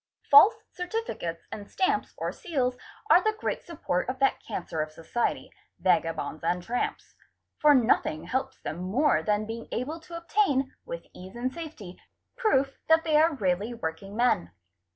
False certificates and stamps or seals are the great support of that cancer of society, vagabonds and tramps "16 16 ; for nothing helps them more than being able to obtain, with ease and safety, proof that they are really working men.